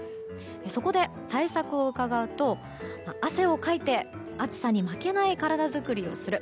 そこで、対策をうかがうと汗をかいて暑さに負けない体作りをする。